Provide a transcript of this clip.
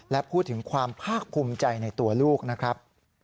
และพูดถึงความภาคภูมิใจในตัวลูกนะครับ